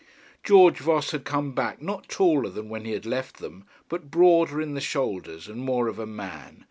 George Voss had come back, not taller than when he had left them, but broader in the shoulders, and more of a man.